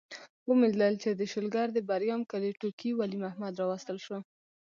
ومې لیدل چې د شلګر د بریام کلي ټوکي ولي محمد راوستل شو.